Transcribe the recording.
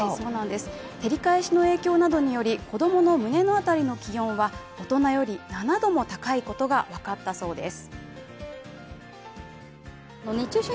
照り返しの影響などにより子供の胸の辺りの気温は大人より７度も高いことが分かったそうです。